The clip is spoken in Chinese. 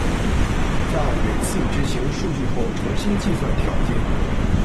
在每次执行数据后重新计算条件。